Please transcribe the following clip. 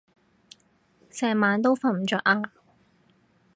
成晚都瞓唔著啊